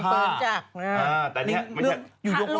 พระร่วงหลังลางตืนจาก